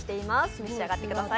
召し上がってください。